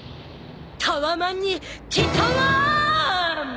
タワマンに来タワン！